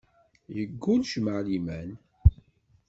Yeggul jmaɛ liman.